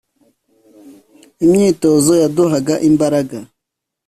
imyitozo yaduhaga imbaraga